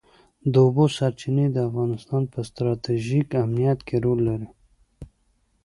د اوبو سرچینې د افغانستان په ستراتیژیک اهمیت کې رول لري.